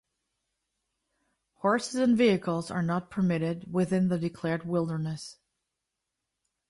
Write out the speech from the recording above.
Horses and vehicles are not permitted within the declared Wilderness.